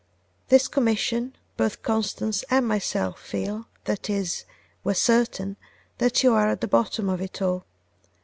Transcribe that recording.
This commission, both Constance and myself feel, that is, we are certain, that you are at the bottom of it all.